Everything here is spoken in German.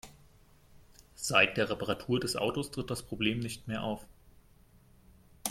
Seit der Reparatur des Autos tritt das Problem nicht mehr auf.